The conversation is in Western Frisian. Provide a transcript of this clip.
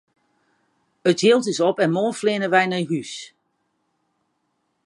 It jild is op en moarn fleane wy nei hús!